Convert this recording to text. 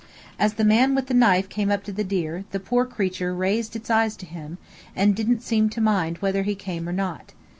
As the man with the knife came up to the deer, the poor creature raised its eyes to him, and didn't seem to mind whether he came or not.